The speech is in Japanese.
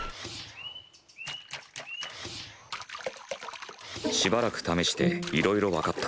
心の声しばらく試していろいろ分かった。